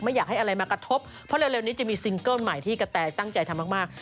อยากให้อะไรมากระทบเพราะเร็วนี้จะมีซิงเกิ้ลใหม่ที่กระแตตั้งใจทำมาก